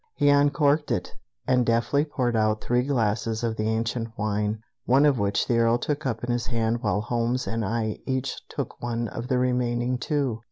He uncorked it, and deftly poured out three glasses of the ancient wine, one of which the Earl took up in his hand while Holmes and I each took one of the remaining two.